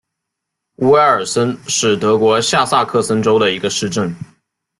乌埃尔森是德国下萨克森州的一个市镇。